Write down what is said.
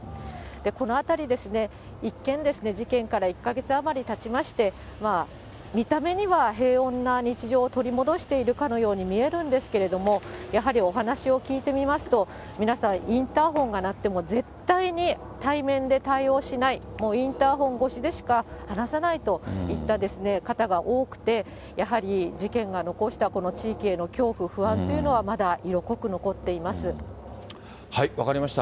この辺りですね、一見、事件から１か月余りたちまして、見た目には平穏な日常を取り戻しているかのように見えるんですけれども、やはりお話を聞いてみますと、皆さん、インターフォンが鳴っても、絶対に対面で対応しない、もうインターフォン越しでしか、話さないといった方が多くて、やはり、事件が残したこの地域への恐怖、不安というのはまだ色濃く残って分かりました。